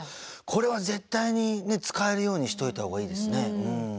これは絶対に使えるようにしといたほうがいいですね。